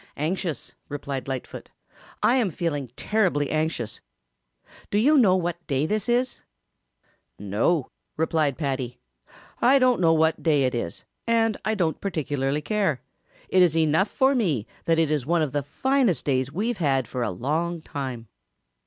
"Anxious," replied Lightfoot. "I am feeling terribly anxious. Do you know what day this is?" "No," replied Paddy, "I don't know what day it is, and I don't particularly care. It is enough for me that it is one of the finest days we've had for a long time."